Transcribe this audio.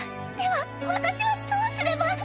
では私はどうすれば？